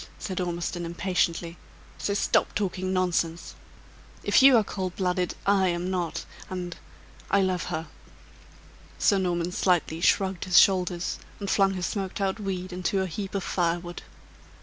said Ormiston, impatiently. "So stop talking nonsense. If you are cold blooded, I am not; and I love her!" Sir Norman slightly shrugged his shoulders, and flung his smoked out weed into a heap of fire wood.